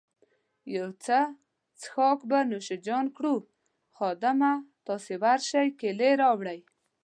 یو څه څیښاک به نوش جان کړو، خادمه، تاسي ورشئ کیلۍ راوړئ.